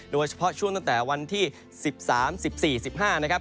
โดยเฉพาะช่วงตั้งแต่วันที่๑๓๑๔๑๕นะครับ